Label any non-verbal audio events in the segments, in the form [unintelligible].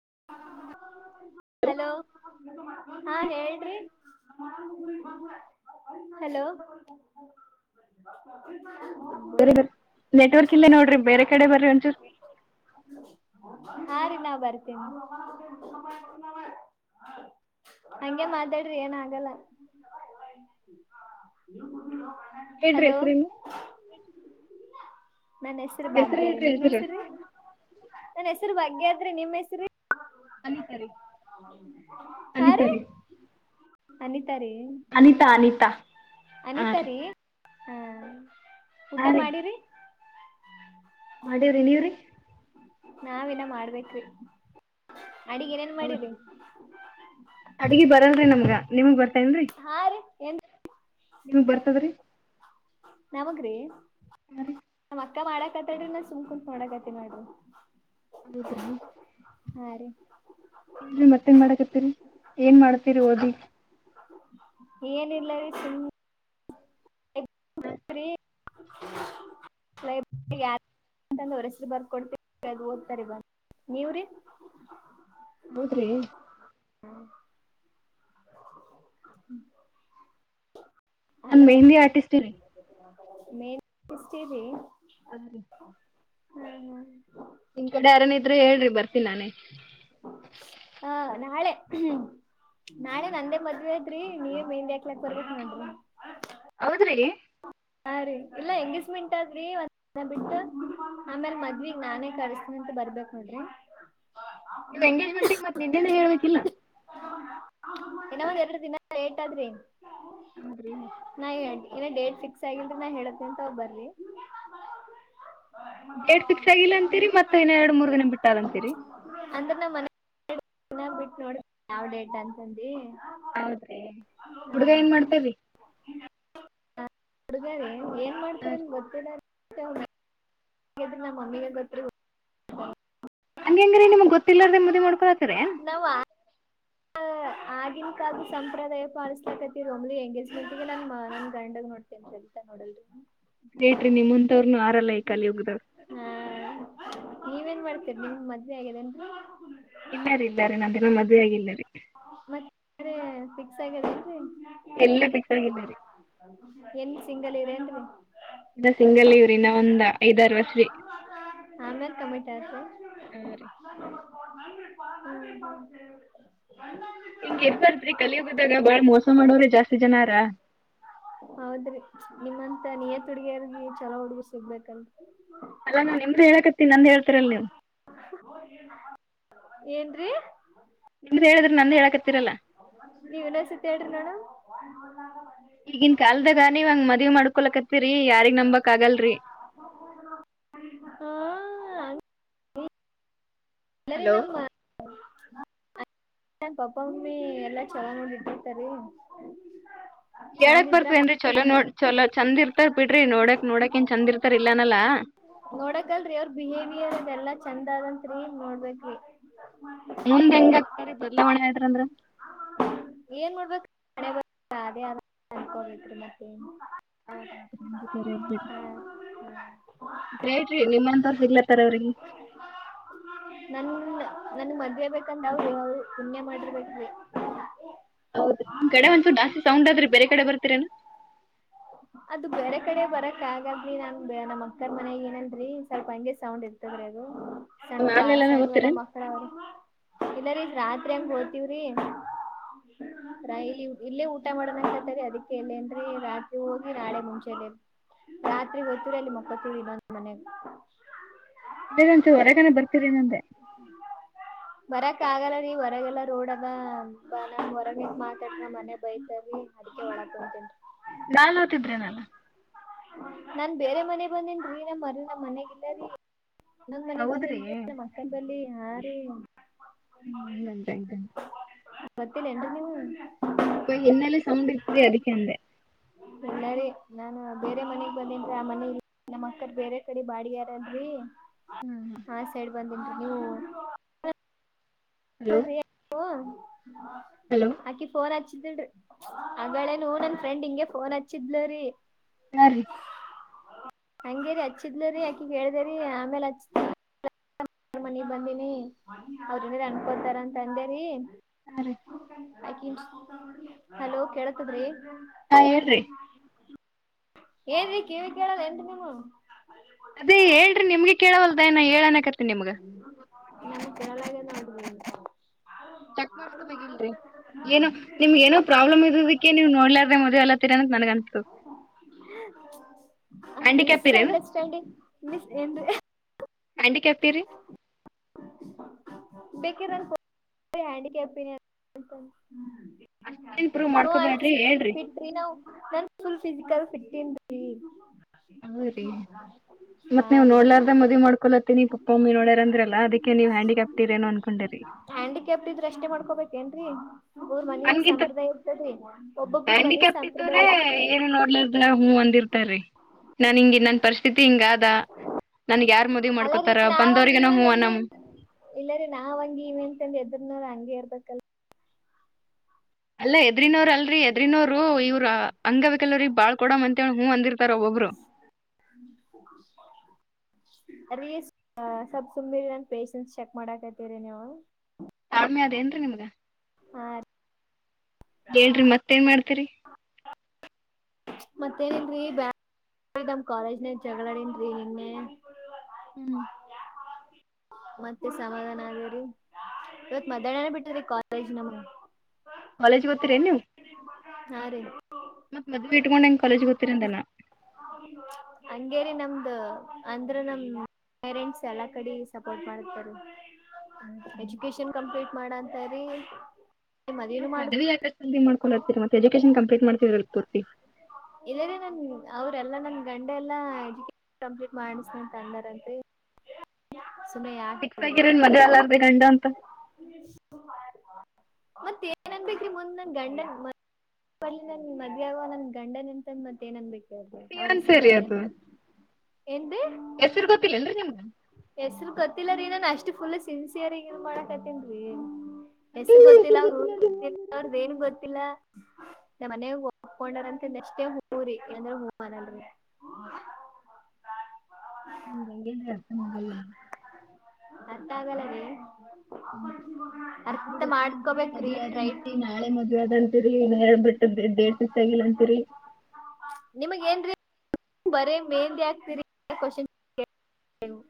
[inaudible] Hello ಹಾ ಹೇಳ್ರಿ [inaudible] hello ಬೇರ ಬ ನೆಟ್ವರ್ಕ್ ಇಲ್ಲೇ ನೋಡ್ರಿ ಬೇರೆ ಕಡೆ ಬರ್ರಿ ಒಂಚೂರು ಹಾ ರೀ ನಾ ಬರ್ತೇನಿ ಹಂಗೆ ಮಾತಾಡ್ರಿ ಏನ ಆಗಲ್ಲ ಇದ್ರಿ ಹಲೋ ಹೆಸ್ರಿನ್ ನನ್ ಹೆಸರು ಹೆಸ್ರು ಭಾಗ್ಯಾರಿ ಹೇಳ್ರಿ ನಿಮ್ಮ್ ಹೆಸ್ರು ಹೆಸ್ರರಿ ನನ್ ಹೆಸರು ಭಾಗ್ಯದ್ರಿ ನಿಮ್ಮ್ ಹೆಸ್ರಿ ಅನಿತಾ ರೀ [inaudible] ಹಾ ರೀ ಅನಿತ ರೀ ಅನಿತಾ ಅನಿತಾ ಹ ರೀ ಹಾ ಊಟ ಹಾ ರೀ ಮಾಡಿರಿ ಮಾಡೇವ್ರಿ ನೀವ್ರಿ ನಾವಿನ ಮಾಡ್ಬೇಕ್ರಿ ಅಡಿಗ್ ಏನೇನ್ ಮಾಡಿರಿ ಹೌದರಿ ಅಡ್ಗಿ ಬರಲ್ರಿ ನಮ್ಗ ನಿಮಗ್ ಬರ್ತಾನ್ರಿ ಹಾ ರೀ ಏನ್ ನಿಮಗ್ ಬರ್ತದ್ರಿ ಯಾವಾಗ್ರಿ ಹಾ ರೀ ನಮ್ ಅಕ್ಕ ಮಾಡಕತಡ್ರಿ ನ ಸುಮ್ ಕುಂತು ನೋಡಕ್ತೀನಿ ನೋಡ್ರಿ ಹೌದ್ರಿ ಹಾ ರೀ ಇಲ್ರಿ ಮತ್ತೇನ್ ಮಾಡಕತ್ತರಿ ಏನ್ ಮಾಡತಿರಿ ಓದಿ ಏನಿಲ್ಲ ರೀ ಸುಮ್ ಇಲ್ಲ ರಿ ಲಿಬ್ ಯಾರು ಅಂತಂದ ಅವ್ರ ಹೆಸರು ಬರ್ ಕೊಡ್ತೀವಿ ಹೋಗ್ತಾರ ಬನ್ ನೀವ್ರೀ ಹೌದ್ರಿ ಹ [unintelligible] ನಾನ್ ಮೆಹಿಂದಿ ಆರ್ಟಿಸ್ಟರಿ ಮೇನ್ಷ್ತೀರಿ [unintelligible] ಅಲ್ಲಿ [inaudible] ಹ ಹ ನಿನ್ ಕಡೆ ಯಾರನ ಇದ್ರೆ ಹೇಳ್ರಿ ಬರ್ತಿನೀ ನಾನೆ ಹಾ ನಾಳೆ ನಾಳೆ ನಂದೇ ಮದ್ವೆ ಅದ್ರಿ ನೀವ ಮೆಹಿಂದಿ ಹಾಕ್ಲಕ್ ಬರ್ಬೇಕಕ್ ನೋಡ್ರಿ ಹೌದ್ರಿ ಹ ರೀ ಇಲ್ಲಾ ಹೆಂಗಿಸ್ಮಿಂಟದ್ರಿ ಒಂದ್ ಬಿಟ್ಟು ಆಮೇಲ್ ಮದ್ವಿಗ್ ನಾನೇ ಕರಿತ್ನ ಮತ್ತ ಬರ್ಬೇಕ ನೋಡ್ರಿ ಇಲ್ಲ ಎಂಗೇಜ್ಮೆಂಟ್ಗ್ ಮತ್ ನೆನ್ನೆನೆ ಹೇಳ್ಬೇಕಿಲ್ಲ ಇನ್ನ ಒಂದ್ ಎರಡು ದಿನ ಏಟ್ ಆದ್ರೆ ಹೆಂಗ್ ಹೌದ್ರಿ ಏನೇ ಡೇಟ್ ಫಿಕ್ಸ್ ಆಗಿಲ್ರಿ ನಾ ಹೇಳತ್ೇ ಅಂತ ಯಾವಾಗ ಬರ್ರಿ ಡೇಟ್ ಫಿಕ್ಸ್ ಆಗಿಲ್ಲ ಅಂತೀರಿ ಮತ್ತ ಇನ್ ಎರಡು ಮೂರ್ ದಿನ ಬಿಟ್ಟಲ್ ಅಂತೀರಿ ಮನೆಗ ಬಿಟ್ಟ ನೋಡ ಯಾವ್ ಡೇಟ್ ಅಂತಂದು ಹೌದ್ರಿ ಹುಡ್ಗ ಏನ್ ಮಾಡ್ತೇರಿ ಹುಡುಗ ರಿ ಏನ್ ಮಾಡ್ತಾರ ಏನ್ ಗೊತ್ತಿಲ್ಲಾರಿ. ನಮ್ಮ ಮಮ್ಮಿಗೆ ಗೊತ್ತ್ರಿ. ಹ್ಯಾಂಗ್ಹೆಂಗ್ರಿ ನಿಮಗ್ ಗೊತ್ತಿಲ್ಲಾರ್ದ ಮದ್ವಿ ಮಾಡ್ಕೊಳತೀರಿ. ನಾವ್ ಆ ಆಗಿನ ಕಾಲದ ಸಂಪ್ರದಾಯ ಪಾಲಿಸ್ಲಕತಿ ಒಮ್ಗೆ ಎಂಗೇಜ್ಮೆಂಟ್ ನಾನ್ ನನ್ ಗಂಡಾಗ ನೋಡ್ತೇನ. ಲ್ತಾ ನೋಡಲ್ರಿ. ಗೇಟ್ರಿ ನಿಮ್ಮಂತವರ ಯಾರಿಲ್ಲ ಈ ಕಲಿಯುಧೋಳ. ಹಾ ನೀವೇನ್ ಮಾಡ್ತೀರಿ ನಿಮ್ ಮದ್ವಿ ಆಗೆದ ಏನ್ರೀ. ಇಲ್ಲ ರೀ ಇಲ್ಲ ರೀ ನಂದಿನ್ನ ಮದ್ವೆ ಆಗಿಲ್ಲ ರೀ ಮತ್ತೆ ಫಿಕ್ಸ್ ಆಗೇದ ಏನ್ರೀ. ಇಲ್ಲಾ ಫಿಕ್ಸ್ ಆಗಿಲ್ಲರಿ. ಏನ್ ಸಿಂಗಲ್ ಇರಿ ಏನ್ರೀ. ಇನ್ನ ಸಿಂಗಲ್ ಇವರೆ ನಾವ ಇನ್ನ ಒಂದ ಐದಾರ ವರ್ಷೀ. ಕಮೀಟಿ ಅತಯೇನ್ರಿ ಹ್ಮ್ ಹ್ಮ್. ಹಿಂಗ ಇರಬಾರದರಿ ಕಲಿಯೋಗ್ದಾಗ ಬಾಳ್ ಮೋಸ ಮಾಡವ್ರ ಜಾಸ್ತಿ ಜನಾರ. ಹೌದ್ರಿ ನಿಮ್ಮಂತ ನಿಯತ್ ಹುಡುಗಿಯರಿಗೆ ಛಲೋ ಹುಡುಗಿ ಸಿಗ್ಬೇಕಲ್ರಿ. ಅಲ್ಲ ನಾ ನಿಮ್ದು ಹೇಳಕತ್ತೆನ ನಂದ್ ಹೇಳ್ತಿರಲ್ಲ ನೀವು. ಏನ್ರೀ. ನಿಮ್ದ ಹೇಳಿದ್ರೆ ನಂದ ಹೇಳಕತ್ತೀರಲ್ಲ. ನೀವ್ ಇನ್ನೊಂದ್ ಸತಿ ಹೇಳ್ರಿ ನೋಡಮ್ ಈಗಿನ್ ಕಲ್ದಾಗ ನೀವ ಹಂಗ ಮದ್ವಿ ಮಾಡ್ಕೊಲಕತ್ತರಿ ಯಾರಿಗ್ ನಂಬಕ್ ಆಗಲ್ರಿ. ಹಾ. ಇಲ್ಲರಿ ಹಲೋ ನಮ್ಮ. [inaudible] ನ್ ಪಾಪ್ಪ ಮಮ್ಮಿ ಎಲ್ಲಾ ಚೊಲೋ ನೋಡ್ ಇಟ್ಟಿರುತ್ತಾರೆ. ಹೇಳಕ್ ಬರ್ತವೇನ್ರಿ ಚಲೋ ನೋಡ್. ಚೊಲೋ ಚಂದ ಇರ್ತಾರ್ ಬಿಡ್ರಿ ನೋಡಕ್ ನೋಡಕ್ ನ್ ಚಂದ ಇರ್ತಾರ ಇಲ್ಲನಲ್ಲ. ಲ್ರಿ ಅವ್ರ ಬಿಹೇವಿಯರ್ ಇಲ್ಲಾ ಚಂದ ಅದಂತ್ರಿ ನೋಡ್ಬೇಕ್ರಿ. ಮುಂದ್ ಹೆಂಗ ಆಗ್ತಾರಿ ಬದಲಾವಣೆ ಆದ್ರಂದ್ರ. ಹಣೆಬರ ಅದೇ ಆದ ಅಂಕೋ ಬೆಕ್ರಿ ಮತ್ತ. ಹ ಹ್ಮ. ಗ್ರೇಟ್ರಿ ನಿಮ್ಮಂತ ಸಿಗ್ಲತ್ತಾರ ಅವ್ರಿಗೆ. ನನ್ನ. ನನ್ ಮದ್ವೆ ಆಗ ಬೇಕಂದ್ರವರ ಅವ್ರೂ ಪುಣ್ಯ ಮಾಡರ್ಬೇಕಿ. ಹೌದ ನಿಮ್ ಕಡೆ ಒಂದ ಚೂರ್ ಜಾಸ್ತಿ ಸೌಂಡ್ ಆದರಿ ಬೇರೆ ಕಡೆ ಬರ್ತೀರೇನ. ಅದು ಬೇರೆ ಕಡೆ ಬರಕ್ ಅಗಲ್ರಿ ನಾನ್ ನಮ್ಮ ಅಕ್ಕರ್ ಮನಾಗ ಇದೇನ್ರಿ ಸ್ವಲ್ಪ ಹಂಗೆ ಸೌಂಡ್ ಇರ್ತದ್ರೀ ಅದು. ಸಣ್ಣಪಾ ಮ್ಯಾಲ್ ಎಲ್ಲಾನ ಸಣ್ಣವ ಎಲ್ಲಾ ಹೋಗ್ತೀರೇನ್. ಮಕ್ಳ ಅವ್ರ ಇಲ್ಲರಿ ರಾತ್ರಿ ಅಂಗ ಹೋತವ್ರಿ. ಇಲ್ಲಿ ಇಲ್ಲೇ ಊಟ ಮಾಡೋ ಅನ್ನಕತ್ತಾರಿ ಅದಕ್ಕೆ ಎಲ್ಲೇ ಎಂತ. ರಾತ್ರಿ ಹೋಗಿ ನಾಳೆ ಮುಂಚೆಲ್ಲ. ರಾತ್ರಿ ಹೋಗ್ತೆವ್ರಿ ಅಲ್ಲಿ ಮಕ್ಕತಿರಿ ಇನ್ನೊಂದ ಮನ್ಯಾಗ. ಇಲ್ಲ ಒಂದ ಚುರ್ ಹೊರಗನೆ ಬರ್ತೀರಿ ಏನ್ ಅಂದೆ. ಬರಕ್ ಆಗಲ್ಲ ರೀ ಹೊರಗೆಲ್ಲ ರೋಡ್ ಅದ ನಾ ಹೊರಗ ನಿಂತ ಮಾತಾಡ್ರ ನಮ್ಮ ಮನೆ ಬೈತಾರಿ. ಮದಕ್ಕುಂತೆನ್. ನಾನ್ ಓತಿದ್ರೇನಲ್ಲ. ನಾನ್ ಬೇರೆ ಮನೆಗ್ ಬಂದೇನ್ ರೀ ನಮ್ ನಮ್ ಮನೆಗಿಲ್ಲ ರೀ. ಇನ್ನೊಂದ ಮನಿಗ್ ಹೌದ್ರಿ ಬಂದನ್ರಿ ನಮ ಅಕ್ಕನ ಬಳಿ ಹಾ ರೀ. ಹ್ಮ. [unintelligible] ಗೊತ್ತಿಲ್ಲ ಏನ್ರಿ ನಿಮಗ. ಒಂದ್ ಸ್ವಲ್ಪ ಹಿನ್ನೆಲ ಸೌಂಡ್ ಇತರಿ ಅದಕ್ಕೆ ಅಂದೆ. ನಾನ ಬೇರೆ ಮನಗ್ ಬಂದೆನ್ರಿ ಆ ಮನೇಲಿ ನನ್ನ ಅಕ್ಕರ್ ಬೇರೆ ಕಡೆ ಬಾಡಗಾರದವಿಯಾಲ್ರಿ. ಹ್ಮ್ ಹ್ಮ್. [unintelligible] ಹಲೋ ಹಲೋ ಅಕಿ ಫೋನ್ ಹಚ್ಚ. ಿ ಆಗಳೇನು ನನ್ ಫ್ರೆಂಡ್ ಹಿಂಗೆ ಫೋನ್ ಹಚ್ಚಿದ್ಲ್ರೀ ಹರಿ ಹಂಗೇರಿ ಹಚ್ಚಿದ್ಲರಿ ಅಕಿ ಕೇಳ್ದೇರಿ ಆಮೇಲ್ ಹಚ್ಚ ಎಾರ್ ಮನಗ್ ಬಂದೀಿನಿ ಅವ್ರನ ಅನ್ಕೊತಾರ ಅಂತ ಅಂದೇರಿೀ ಹಾ ರೀ ಆಕ ಹಲೋ ಕೇಳತದ್ರಿ ಹಾ ಹೇಳಏರ್ರಿ ಏನ್ೀ ಕಿವಿ ಕೇಳದ ಎಂತ ನೀನು ಅದೇ ಹೇಳ್ರಿ ನಿಮ್ಗೆ ಕೇಳವಲ್ಲದಏ ಹೇಳನಕತ್ತ ನಿಮ್ಗ ನಮ ಕೆರಳಗೆ ನಡಂತ ಚೆಕ್ ಮಾಡ್ಸ್ಕೊಬೇಕಿಲ್ರಿ ಏನೋ ನಿಮ್ಗೆ ಏನೋ ಪ್ರಾಬ್ಲಮ್ ಇರೋದಿಕ್ಕೆ ನೀವು ನೋಡ್ಲಾರ್ದ ಮದ್ ಎಲ್ಲತ್ತೀರನ ನನ್ಗ ಅನ್ಸ್ತು ಹ್ಯಾಂಡಿಕ್ಯಾಪ್ ಮಿಸ ಇರೇನು ಅಂಡರ್ಸ್ಟ್ಯಾಂಡಿಂಗ್ ಮಿಸ ಎ ಆಂಟಿ ಕೆ್ಯಾಫತೀರಿ ಬೇಕಿನ್್ಕ್ಯ ಫ ಅಷ್ಟೇನ್ ಪ್ರೂವ್ ಮಾಡ್ಕೊಬ್ಯಾಡ್ರಿ ಹೇಳ್ರಿ ಫಿೀ ನ ನ ಫುಲ್ ಫಿಸಿಕಲ್ ಫಿ ಿ ಹ ರೀ ಹಾ ಮತ್ತ್ ನೀವ್ ರೀ ನೋಡ್ಲಾರ್ದ ಮದುವವಿ ಮಾಡ್ಕೊಲತ್ತ ಮತ್ತೆ ನೀವ್ ಪಪ್ಪ ಒಮ್ಮಿ ನೋಡ್ಯಾರ ಅಂದ್ರಲ್ಲ ಅದಕ್ಕೆ ನೀವು ಹ್ಯಾಂಡಿಕ್ಯಾಪ್ಟ ಇರೇನು ಅನ್ಕೊಂಡಿ್ರಿ ಅಕ್ಕೇನ್ ಊರ್ ಮನ ಸಂಪ್ರದಾಯ ಇರ್ತದರಿ ಹ್ಯಾಂಡಿಕ್ಯಾಪ ಇದ್ದ್ರೆ ಏನು ನೋಡ್ಲದ ಹೂ ಅಂದಿರ್ತಾರ ನನ್ ಹಿಂಗಗೆ ನನ್ನ ಪರಿಸ್ಥಿತಿ ಹಿಂಗ ಆದ ನನ್ಗ್ ಯಾರ್ ಮೊದ ಅಲ್ಲರೀ ನಾವಂಗ ಇವೇ ತಂದಿ ಇಲ್ಲರೀ ನಾವಂಗ ಇವನ್ಂತಂದಿ ಎದ್ರ ಅಂಗೇರ್ಬೇಕಕ್ಕಲ್ಲ ಅಲ್ಲ ಎದ್ರಿನವರ ಅಲ್ರಿ ಎದ್ರನವ್ರು ಇವ್ರ ಅಂಗವಕ್ಲ್ ಬಾಳ್ ಕೊಡಮ ಅಂತ ಹೂ ಅಂದಿರ್ತಾರ ಒಬೊಬ್ರು [unintelligible] ಅೀ ಸ್ವಲ್ ಸುಮ್ಮೀ ನನ್ ಪೇಶನ್ಸ್ ಚೆಕ್ ಮಾಡಕತಿರಿ ನೀವು ಕ್ಮಿ ಅದೇಏನ್ರೀ ನಿಮಗ ಆ ಹೇಳ್ರಿ ಮತ್ತೇನ್ ಮಾಡ್ತರಿ ಮತ್ತೇನನ್ರರಿ ಬ್ಯಾಮ್ ಕಾಲೇಜನ ಜಗಳಾಡನ್ೀ ನಿನ್ನೆ ಹ್ಮ್ ಮತ್ತೆ ಸಮಾಧಾನ ಅಗೇರಿೀ ಇವತ್ ಮಧ್ಯಾಹ್ನ ಬಿಟ್ಟಿದರಿ ಕಾಲೇಜ್ ನಮ ಕಾಲೇಜ್ ಗತ್ತೀರೇ ನೀವು ಹಾ ರೀ ಮದ್ವಿ ಇಟ್ಕೊಂಡ್ ಹೆಂಗ್ ಕಾಲೇಜ್ ಗೊತ್ತಿರಟನ ಹಂಗೇರಿ ನಮ್ದ ಅಂದ್ರ ನಮ ಪೇರೆಂಟ್ಸ್ ಎಲ್ಲ ಕಡೆ ಸಪೋರ್ಟ್ ಮಾಡತರು ಹೌದ್ರಿ ಎಜುಕೇಶನ್ ಕಂಪ್ಲೀಟ್ ಮಾಡಂತಾರೀ ಮದೇನು ಮಾಡ ಮಾಡ್ಕೊಂಡಿರ್ತೀರಿ ಮೆ ಎಜುಕೇೇಶನ್ ಕಂಪ್ಲೀಟ್ ಮಾಡ್ತ ತೋರ್ತಿ ಇೇ ರ ನನ್ ಅವ್ರೆಲ್ಲಾ ನನ್ ಗಂಡೆ ಎಲ್ಲಾ ಎಜುಕ ಕಂಪ್ಲೀಟ್ ಮಾಡನಿಸ್ಮೆಂಟ್ ಅಂದರ ಅಂತೆ ಸಿಕ್ತಗರ ಮೆ ಗಂಡ ಅಂತ ಮತ್ತ ಏನನ್ಬೇಕಿ ಮುಂದ್ ನನ್ ಗಂಡನ್ ಲ್ಲಿ ನನ್ ಮದ್ಯಾವ ನನ್ ಗಂಡ ನಿಂತಂದ ಮತ್ತ ಏನನ್ ಬೇಕು ನ್ ಸರಿ ಅದು ಎನ್ೀ ಹೆಸರು ಗೊತ್ತಿಲ್ಲೇನ್ರಿ ನಿಮ್ಗ ಹೆಸರು ಗೊತ್ತಿಲ್ಲ ರನ ಅಷ್ಟ್ ಫುಲ್ ಸಿನ್ಸಿಯರ್ಗನ್ ಮಾಡಕತನ್ರೀ ಎಸ ಗೊತ್ತಿಲ್ಲ ಅವ ಗೊತ್ತ ಅವ್ರ್ದ ಏನ್ ಗೊತ್ತಿಲ್ಲ ನ ಮನೆ ಒಪ್ಕೊಂಡಾರಂತ ಅಷ್ಟೇ ಹೂರಿ ಏಂದ್ರ ಹೂವನಲ್ರಿ. ಎಲ್ಲ ನರ್ಸ ಮಗಲ್ಲ. ಮತ್ತ ಆಗಲಗೆ. ಹ್ಮ ಹೆಸರು ಗೊತ್ತಿಲ್ಲಂತೀರಿ ಮಾಡ್ಕೋಬೇಕ್ರಿ ಮದ್ವೆ ಟ್ರೈ ಆದದತ್ರಿ ನಾಳೆ ಮದ್ವೆ ಆದದಂತೀರಿ. ಏನ್ ಹೇಳ್ಬ ಬಿಟ್ಟು ದಡ್ೇಡ್ ದಿವಸ ಆಗಿಲ್ಲ ಅಂತೀರಿ. ಬರೀ ಮೇಂದಿಯಾತ [inaudible] ಕೊಶನ್ [inaudible]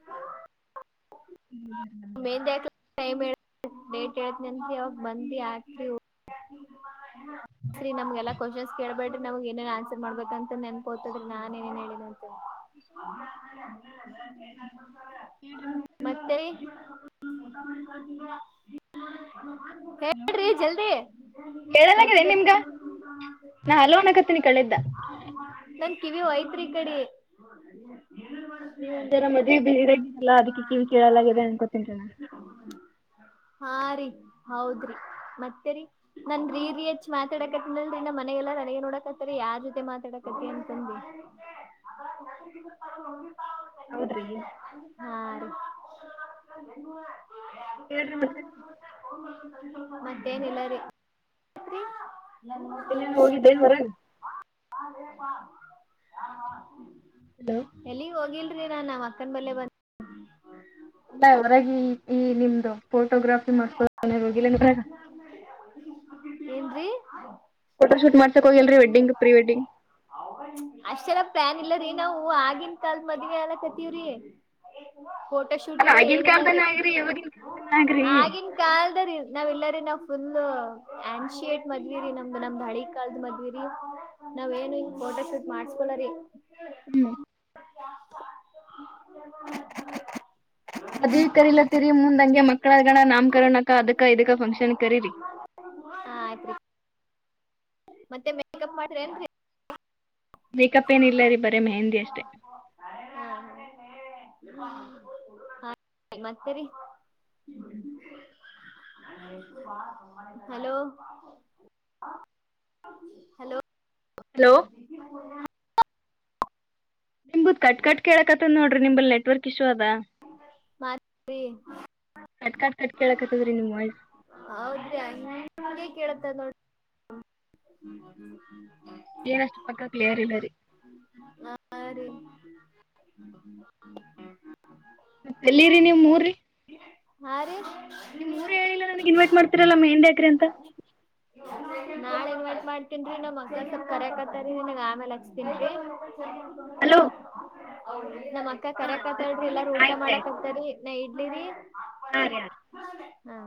ಮೆಂದೆ ಟೈಮ್ ಡೇಟ್ ಹೇತ್ ಅ ಅವವಾಗ ಬಂದಿ [inaudible] [inaudible] ಹ್ಮ ನಮಗೆಲ್ಲ ಕ್ವಶ್ನ್ಸ್ ಕೇಳ್ಬೇಡ್ರ ನಮಗೆ ಏನೇನು ಆನ್ಸರ್ ಮಾಡಬೇಕಂತ ನೆನ್ಪೋತದಿ ನಾನೇನೇನು ಹೇಳೇನ ಅಂತನೆ. ಮತ್ತೆ. ರೀ ಜಲ್ದಿ. ಹೇಳಲಾಗಿದೆ ಮತ್ತೆ ನಿಮ್ಗ ನಾ ಹಲ್ವನ್ ಹಕತೀನಿ ಕಳಿದ್ದ. ನನ್ ಕಿವಿ ಹೋಯ್ತ್ರಿ ಈ ಕಡಿ. ನೀವ ಒಂದ್ ಜರ ಮದ್ೆ ಬೇರಗರಲ್ಲ ಅದಕ್ಕೆ ಕಿವಿ ಕೇಳಲಾಗಿದೆ ಅನ್ಕೊತಿ ಹಾ ರರಿ ಹೌದ್ರಿ. ಮತ್ತೆ ರಿ ನನ್ ರೀ ರರಿ ಹೆಚ್ ಮಾತಾಡಕತ್ನಲ್ರಿ ನ ಮನೆಗೆಲ್ಲ ನನಗೆ ನೋಡಕತ್ತರಿ ಯಾರ್ ಜೊತೆ ಮಾತಾಡಕ್ [unintelligible] ಹ [inaudible] [inaudible] ಹೌದ್ರಿ. ಹಾ ರೀ. ಮತ್ತೇನಿಲ್ಲ ರೀ. ಎಲ್ಲೇನ ಹೋಗಿದ್ದೇನ್ ಹೊರಗ್? [inaudible] ಎಲ್ಲಿಗ್ ಹೋಗಿಲ್ರಿ ನಾನ್ ನ್ ಅಕ್ಕನ್ ಬಲ್ಲೇ ಬಂದ. ಇಲ್ಲ ಹೊರಾಗಿ ಈ ನಿಮ್ದು ಫೋಟೋಗ್ರಾಫಿ ಮಾಡ್ಸ್ಕೊ ಹೋಗಿಲ್ಲಂದ [inaudible] ಏನ್ ರೀ. ಫೋಟೋ ಶೂಟ್ ಮಾಡ್ಸಕ್ ಹೋಗಿಲ್ರರಿ ವೆಡ್ಡಿಂಗ್ ಪ್ರೀ ವೆಡ್ಡಿಂಗ್. ಇಲ್ಲರೀ ನಾವು ಆಗಿನ ಕಾಲದ ಮದ್ವೀಲ ಕತೀವ್ರಿ. ಅದ ಆಗಿನ ಏನಿಲ್ಲ ರೀ ಕಾಲ್ದನ ಆಗ್ರಿ ಇವಾಗಿನ ಕಾಲ್ದನ ಆಗ್ರಿ. ಆಗಿನ ಕಾಲದ ರೀ ನಾವ ಇಲ್ಲರೀ ನಾವ ಫುಲ್ ಆನ್ಶಿಯೇಟ್ ಮದ್ವೀರಿ ನಮ್ದ ನಮ್ ಹಳಿ ಕಾಲದ ಮದ್ವೀರಿ ನಾವ್ ಏನು ಫೋಟೋ ಶೂಟ್ ಮಾಡ್ಸ್ಕೊಳರೀ. ಹ್ಮ [inaudible] ಮದ್ವಿ ಕರಿಲತ್ತೀರಿ ಮುಂದ್ಂಗೆ ಮಕ್ಳಗಣ ನಾಮಕರಣಕ್ಕ ಅದಕ್ಕ ಇದಕ್ಕ ಫಂಕ್ಷನ್ ಕರೀರಿ. [inaudible] ಹಾ ಆಯ್ತ್ರಿ. ಮತ್ತೆ ಮೇಕಪ್ ಮಾಡ್ರ ನೆನ್ರ್. ಮೇಕಪ್ ಏನಿಲ್ಲ ರೀ ಬರೇ ಮೆಹಂದಿ ಅಷ್ಟೆ. ಹ ಮತ್ತರಿ. ಹಲೋ. ಹಲೋ. ಹಲೋ ನಿಮ್ದ್ ಕಟ್ ಕಟ್ ಕೇಳಕತ್ತತ್ ನೋಡ್ರಿ ನಿಂಬ ನೆಟ್ವಕ್ ಮಾತ್ರಿ. ಕಟ್ ಕಟ್ ಕಟ್ ಕೇಳಕತ್ತದ್ರಿ ನಿಮ್ ವಾಯ್ಸ್ ಹೌದರೀ ಅಂಗೆ ಕೇಳತ್ತೆ ನೋಡಿ. ಹ [inaudible] ಏನಷ್ಟು ಪಕ್ಕ ಕ್ಲಿಯರ್ ಇಲ್ಲರಿ. ಹಾ ರೀ [inaudible] ಮತ್ತ ಎಲ್ಲಿರಿ ನೀಮ್ಮೂರಿ. ಹಾ ರೀ ನಿಮ್ ಊರು ಹೇಳಿಲ್ಲ ನನ್ಗ್ ಇನ್ಟ್ ಮಾಡ್ತಿರಲ್ಲ ಮೆಹನ್ ಅಕ್ರೆ ಅಂತ ನಾಳ ಇನ್ವಟ್ ಮಾಡ್ತನ್ನಾವ್ ಮಕ್ಳ ಸ್ವಲ್ಪ್ ಕರಕತಾರರಿ ನಂಗ ಆಮೇಲೆ ಹಚ್ತನ್ರಿ ಹಲೋ ಹೌದ ನಮ್ಮ್ ಅಕ್ಕ ಕರೆ ಕಾತಾಳ್ರಿ ಎಲ್ಲಾರ ಊಟ ಆಯ್ತ್ ರೀ ಮಾಡಕ್ ಆಯ್ತ್ ಆಕ್ತಾರಿ ನಾ ಇಡ್ಲಿರಿ ಹಾ ರೀ. ಹಾ